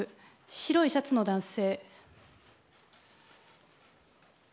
白いシャツの男性。